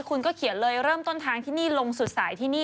คุณก็เขียนเลยเริ่มต้นทางที่นี่ลงสุดสายที่นี่